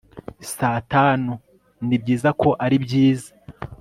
saa tanu, nibyiza ko aribyiza